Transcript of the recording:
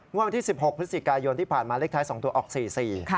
วันที่๑๖พฤศจิกายนที่ผ่านมาเลขท้าย๒ตัวออกสี่สี่